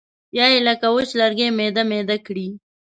یا یې لکه وچ لرګی میده میده کړي.